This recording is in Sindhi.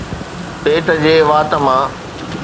پيٽ جي وات مان